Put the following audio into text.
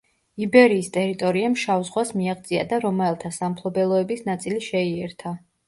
იბერიის ტერიტორიამ შავ ზღვას მიაღწია და რომაელთა სამფლობელოების ნაწილი შეიერთა.